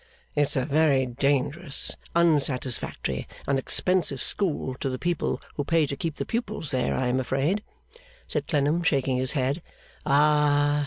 'It's a very dangerous, unsatisfactory, and expensive school to the people who pay to keep the pupils there, I am afraid,' said Clennam, shaking his head. 'Ah!